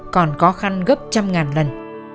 còn khó khăn gấp trăm ngàn lần